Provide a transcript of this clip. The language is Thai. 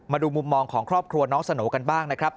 มาดูมุมมองของครอบครัวน้องสโนกันบ้างนะครับ